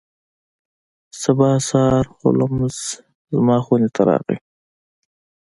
سبا سهار هولمز زما خونې ته راغی.